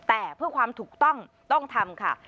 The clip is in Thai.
แต่เพื่อความถูกต้องต้องทำค่ะ